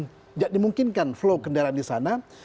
tidak dimungkinkan flow kendaraan di sana